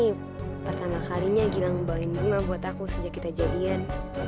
ini pertama kalinya gilang bawain bunga buat aku sejak kita jadian